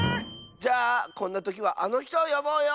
じゃあこんなときはあのひとをよぼうよ！